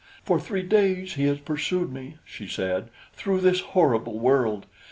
"For three days he has pursued me," she said, "through this horrible world.